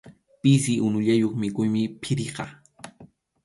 Pisi unullayuq mikhuymi phiriqa.